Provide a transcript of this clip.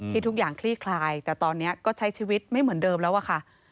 ทุกอย่างคลี่คลายแต่ตอนนี้ก็ใช้ชีวิตไม่เหมือนเดิมแล้วอะค่ะ